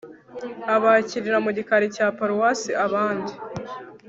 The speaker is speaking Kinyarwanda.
abakirira mu gikari cya paruwasi abandi